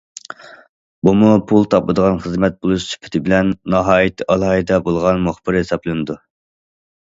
بۇمۇ پۇل تاپىدىغان خىزمەت بولۇش سۈپىتى بىلەن، ناھايىتى ئالاھىدە بولغان مۇخبىر ھېسابلىنىدۇ.